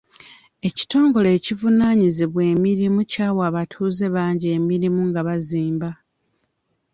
Ekitongole ekivunaanyizibwa mirimu kyawa abatuuze bangi emirimu nga bazimba.